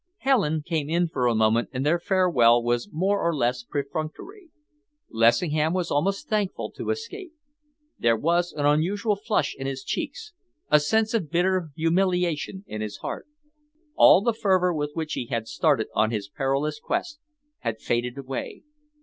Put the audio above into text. Helen came in for a moment and their farewell was more or less perfunctory. Lessingham was almost thankful to escape. There was an unusual flush in his cheeks, a sense of bitter humiliation in his heart. All the fervour with which he had started on his perilous quest had faded away.